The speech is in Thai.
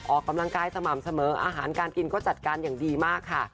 ออกกำลังกายสม่ำเสมออาหารการกินก็จัดการอย่างดีมากค่ะ